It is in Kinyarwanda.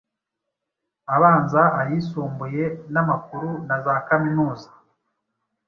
abanza, ayisumbuye n’amakuru nazakaminuza